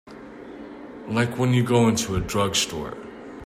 Like when you go into a drugstore.